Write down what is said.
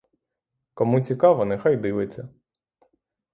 Кому цікаво, нехай дивиться.